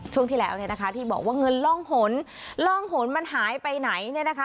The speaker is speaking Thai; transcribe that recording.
ช่วงที่แล้วเนี่ยนะคะที่บอกว่าเงินร่องหนร่องหนมันหายไปไหนเนี่ยนะคะ